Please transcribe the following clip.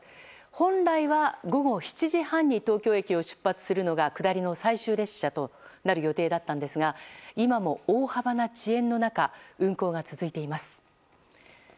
本来は午後７時半に東京駅を出発するのが下りの最終列車となる予定だったんですが今も大幅な遅延の中運行が続いています。